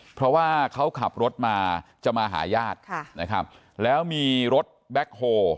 เพราะว่าเขาขับรถมาจะมาหาญาติค่ะนะครับแล้วมีรถแบ็คโฮ